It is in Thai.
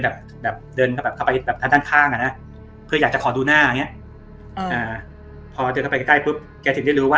พอเดินเข้าไปใกล้แกถึงได้รู้ว่า